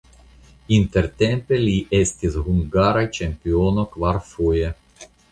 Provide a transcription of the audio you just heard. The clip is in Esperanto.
Intertempe li estis hungara ĉampiono kvarfoje.